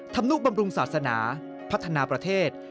ธรรมนุบำรุงศาสนาพัฒนาประเทศ